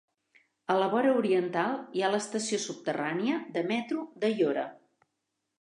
A la vora oriental hi ha l'estació subterrània de metro d'Aiora.